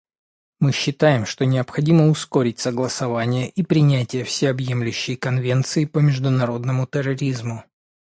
Мы считаем, что необходимо ускорить согласование и принятие всеобъемлющей конвенции по международному терроризму.